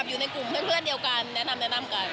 แล้วก็อยู่ในกลุ่มเพื่อนเดียวกันแนะนำกัน